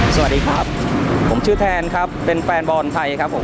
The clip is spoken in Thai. สวัสดีครับผมชื่อแทนครับเป็นแฟนบอลไทยครับผม